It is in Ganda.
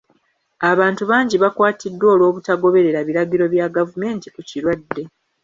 Abantu bangi bakwatiddwa olw'obutagoberera biragiro bya gavumenti ku kirwadde.